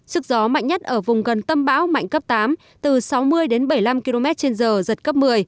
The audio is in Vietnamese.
sức gió mạnh nhất ở vùng gần tâm bão mạnh cấp tám từ sáu mươi đến bảy mươi năm km trên giờ giật cấp một mươi